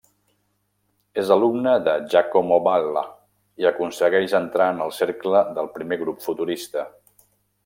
És alumne de Giacomo Balla i aconsegueix entrar en el cercle del primer grup futurista.